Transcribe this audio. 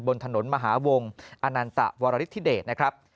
บนถนนมหาวงอนันตะวรฤทธิเดชนะครับ